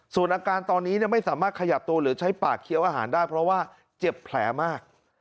ส่วนอาการตอนนี้ไม่สามารถขยับตัวหรือใช้ปากเคี้ยวอาหารได้เพราะว่าเจ็บแผลมาก